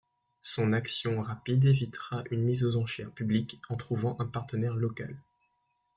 Son action rapide évitera une mise aux enchères publiques en trouvant un partenaire local.